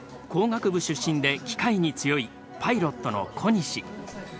出身で機械に強いパイロットの小西。